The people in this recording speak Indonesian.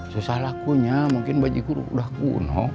susah lakunya mungkin baji guru udah kuno